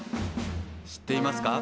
知っていますか？